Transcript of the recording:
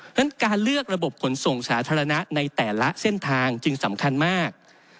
นั้นการเลือกระบบขนส่งสาธารณะในแต่ละเส้นทางจึงสำคัญมาก